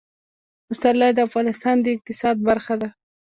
پسرلی د افغانستان د اقتصاد برخه ده.